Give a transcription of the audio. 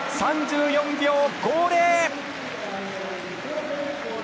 ３４秒５０！